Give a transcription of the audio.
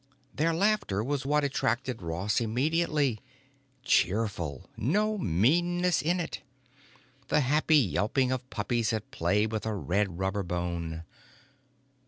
Their laughter was what attracted Ross immediately. Cheerful—no meanness in it. The happy yelping of puppies at play with a red rubber bone.